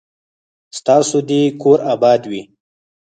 ستاسو دي کور اباد وي